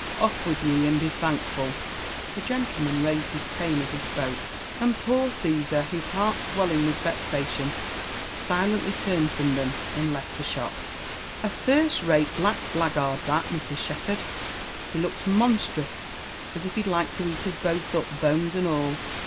Off with ye, and be thankful." The gentleman raised his cane as he spoke, and poor Caesar, his heart swelling with vexation, silently turned from them andl eft the shop. " A first rate black blackguard that, Mrs. Shepherd! He looked monstrous as if he'd like to eat us both up, bones and all.